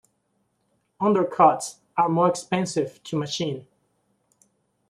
Undercuts are more expensive to machine.